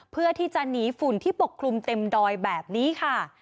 เพื่อที่จะหนีฝุ่นที่ปกคลุมเต็มดอยแบบนี้ค่ะ